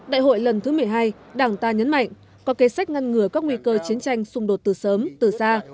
đại hội lần thứ một mươi hai đảng ta nhấn mạnh có kế sách ngăn ngừa các nguy cơ chiến tranh xung đột từ sớm từ xa